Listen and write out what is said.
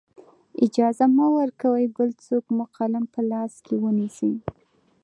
اجازه مه ورکوئ بل څوک مو قلم په لاس کې ونیسي.